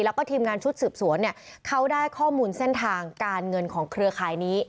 แล้วก็ทีมงานชุดสืบสวนเนี่ยเขาได้ข้อมูลเส้นทางการเงินของเครือข่ายนี้